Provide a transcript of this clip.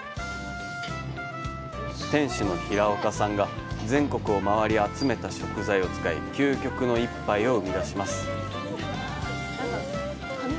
店主の平岡さんが全国を回り集めた食材を使い究極の一杯を生み出します。